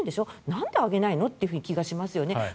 なんで上げないのという気がしますよね。